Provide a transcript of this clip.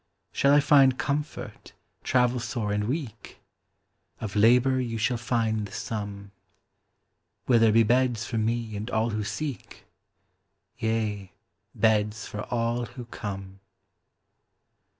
Shall I find comfort, travel sore and weak? Of labor you shall find the sum. Will there be beds for me and all who seek? Yea, beds for all who come.